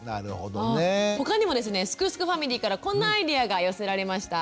他にもですねすくすくファミリーからこんなアイデアが寄せられました。